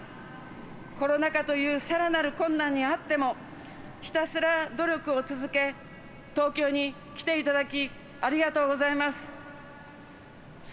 コロナ禍というさらなる困難にあってもひたすら努力を続け東京に来ていただきありがとうございます。